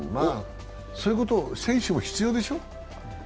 そういうこと、選手も必要でしょ？